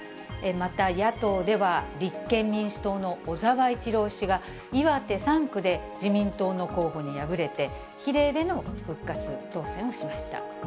また野党では、立憲民主党の小沢一郎氏が、岩手３区で自民党の候補に敗れて、比例での復活当選をしました。